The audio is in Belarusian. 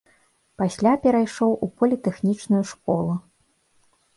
Пасля перайшоў у політэхнічную школу.